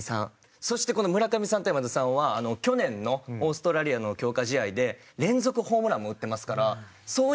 そしてこの村上さんと山田さんは去年のオーストラリアの強化試合で連続ホームランも打ってますからそういった辺りも。